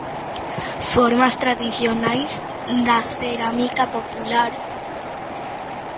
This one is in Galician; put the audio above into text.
Formas tradicionais da cerámica popular.